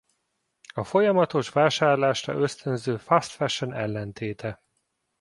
A folyamatos vásárlásra ösztönző fast fashion ellentéte.